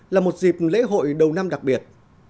là một dịp lễ hội đầu năm đặc biệt